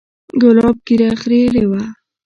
ګلاب ږيره خرييلې وه.